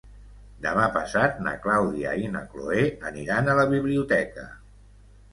Demà passat na Clàudia i na Cloè aniran a la biblioteca.